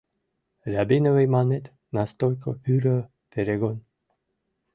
рябиновый манмет, настойко, пӱрӧ, перегон.